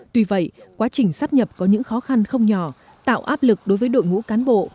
tuy vậy quá trình sắp nhập có những khó khăn không nhỏ tạo áp lực đối với đội ngũ cán bộ